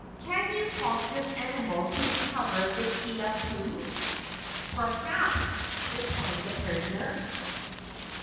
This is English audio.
Can you prompt this animal to recover the Kiha pu?" "Perhaps," replied the prisoner.